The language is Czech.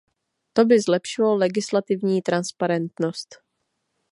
To by zlepšilo legislativní transparentnost.